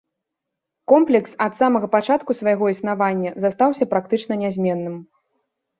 Комплекс, ад самага пачатку свайго існавання, застаўся практычна нязменным.